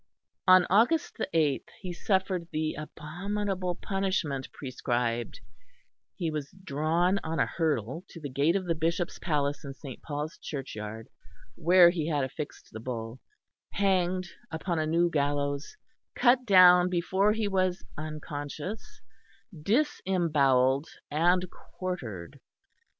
On August the eighth he suffered the abominable punishment prescribed; he was drawn on a hurdle to the gate of the Bishop's palace in S. Paul's Churchyard, where he had affixed the Bull, hanged upon a new gallows, cut down before he was unconscious, disembowelled and quartered.